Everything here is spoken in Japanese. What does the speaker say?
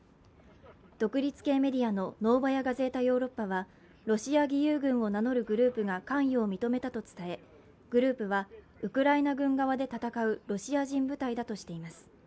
独立系メディアの「ノーバヤ・ガゼータ・ヨーロッパ」はロシア義勇軍を名乗るグループが関与を認めたと伝えグループはウクライナ軍側で戦うロシア人部隊だとしています。